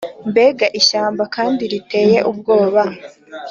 mbega ishyamba kandi riteye ubwoba,